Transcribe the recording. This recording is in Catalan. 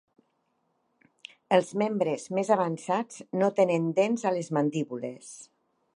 Els membres més avançats no tenen dents a les mandíbules.